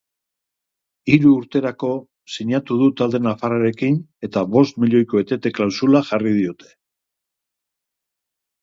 Hiru urterako sinatu du talde nafarrarekin eta bost milioiko etete klausula jarri diote.